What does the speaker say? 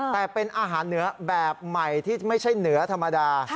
แต่เป็นอาหารเหนือแบบใหม่ที่ไม่ใช่เหนือธรรมดา